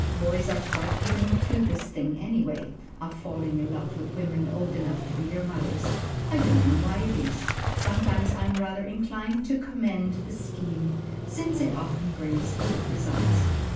Boys are quite given to this thing, anyway, of falling in love with women old enough to be their mothers I don't know why it is. Sometimes I am rather inclined to commend the scheme, since it often brings good results.